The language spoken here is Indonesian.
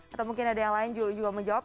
atau mungkin ada yang lain juga menjawab